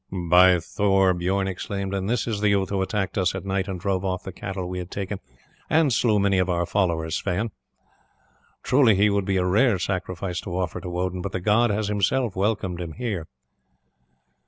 "By Thor!" Bijorn exclaimed, "and this is the youth who attacked us at night and drove off the cattle we had taken and slew many of our followers, Sweyn! Truly he would be a rare sacrifice to offer to Odin; but the god has himself welcomed him here."